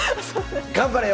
頑張れよ！